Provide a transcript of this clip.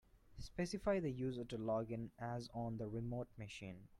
Specify the user to log in as on the remote machine.